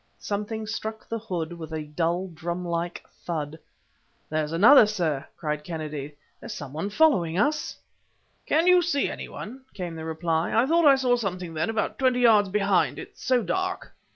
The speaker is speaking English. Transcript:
Something struck the hood with a dull drum like thud. "There's another, sir!" cried Kennedy. "There's some one following us!" "Can you see any one?" came the reply. "I thought I saw something then, about twenty yards behind. It's so dark."